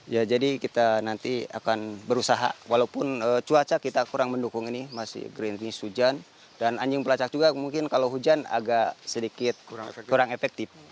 ya jadi kita nanti akan berusaha walaupun cuaca kita kurang mendukung ini masih green tease hujan dan anjing pelacak juga mungkin kalau hujan agak sedikit kurang efektif